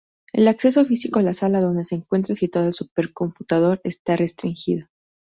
El acceso físico a la sala donde se encuentra situado el supercomputador está restringido.